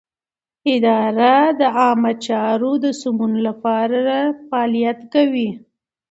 اداره د عامه چارو د سمون لپاره فعالیت کوي.